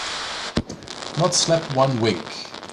Not slept one wink